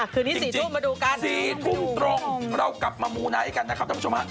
คืนนี้๔ทุ่มมาดูกัน๔ทุ่มตรงเรากลับมามูไนท์กันนะครับท่านผู้ชมฮะ